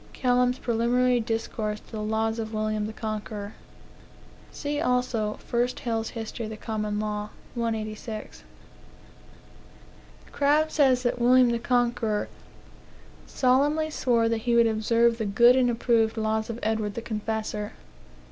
Kelham's Preliminary Discourse to the Laws of William the Conqueror. See, also, 1 Hale's History of the Common Law, 186. Crabbe says that William the Conqueror "solemnly swore that he would observe the good and approved laws of Edward the Confessor."